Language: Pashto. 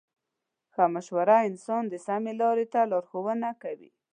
ښه مشوره انسان د سمې لارې ته لارښوونه کوي.